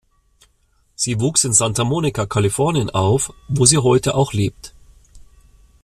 Sie wuchs in Santa Monica, Kalifornien auf, wo sie heute auch lebt.